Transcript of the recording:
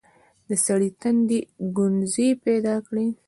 د سړي تندي ګونځې پيداکړې.